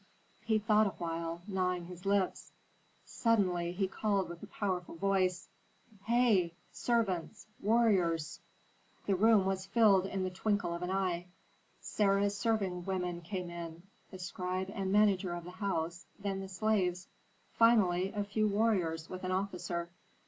He thought awhile, gnawing his lips. Suddenly he called with a powerful voice, "Hei, servants, warriors!" The room was filled in the twinkle of an eye. Sarah's serving women came in, the scribe and manager of the house, then the slaves; finally, a few warriors with an officer.